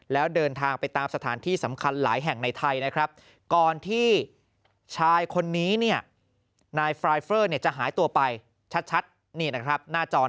แล้วเดินทางไปตามสถานที่สำคัญหลายแห่งในไทยนะครับ